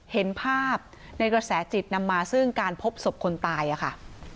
เห็นภาพในกระแสจิตนำมาซึ่งการพบศพคนตายค่ะ